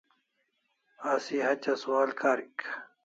Asi hatya sual karik